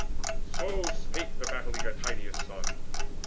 So spake the battle eager Tydeus' son.